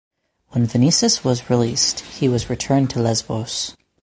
When Venezis was released he was returned to Lesbos.